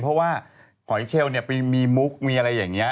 เพราะว่าหอยเชลไปมีมุกมีอะไรอย่างนี้